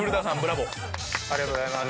ありがとうございます。